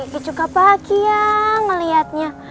ki juga bahagia ngeliatnya